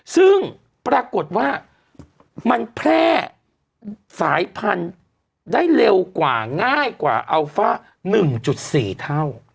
ซึ่งปรากฏว่ามันแพร่สายพันธุ์ได้เร็วกว่าง่ายกว่าอัลฟ่า๑๔เท่า